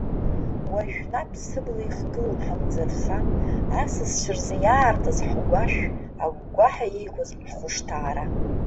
Уажәнатә сыбла ихгылон ҳамӡырха, асасцәа рзы иаартыз ҳгәашә, агәгәаҳәа еиқәыз ҳхәышҭаара.